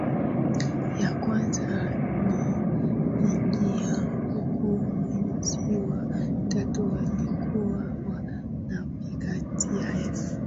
ya kwanza nikiingia huku mwezi wa tatu walikuwa wananipatia elfu